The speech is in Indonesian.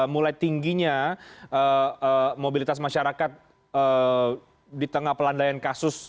mulai tingginya mobilitas masyarakat di tengah pelandaian kasus